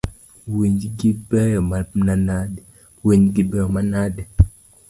Winygi beyo manade?